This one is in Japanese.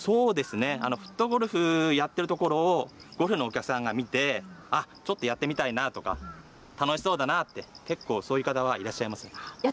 フットゴルフをやっているところをゴルフのお客さんが見てちょっとやってみたいなとか楽しそうだなって結構、そういう方はいらっしゃいます。